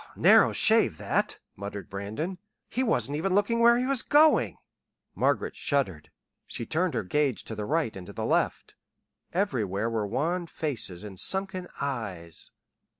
"Narrow shave, that," muttered Brandon. "He wasn't even looking where he was going." Margaret shuddered. She turned her gaze to the right and to the left. Everywhere were wan faces and sunken eyes.